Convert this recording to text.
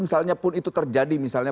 misalnya pun itu terjadi misalnya